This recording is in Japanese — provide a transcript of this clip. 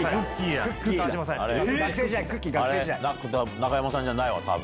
中山さんじゃないわ多分。